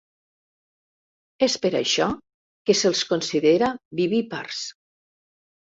És per això que se'ls considera vivípars.